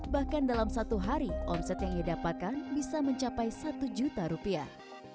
bahkan dalam satu hari omset yang ia dapatkan bisa mencapai satu juta rupiah